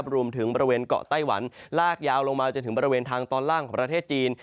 บริเวณเกาะไต้หวันลากยาวลงมาจนถึงบริเวณทางตอนล่างของประเทศจีน